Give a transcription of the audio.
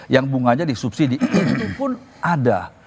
yang bunganya disubsidi itu pun ada